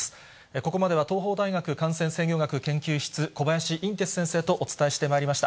ここまでは東邦大学感染制御学研究室、小林寅てつ先生とお伝えしてまいりました。